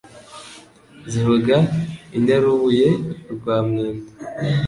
Zivuga Inyarubuye rwa Mwendo